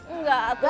enggak atu pak